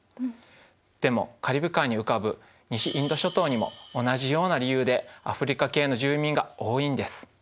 でもカリブ海に浮かぶ西インド諸島にも同じような理由でアフリカ系の住民が多いんです。